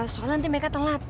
soalnya nanti meka telat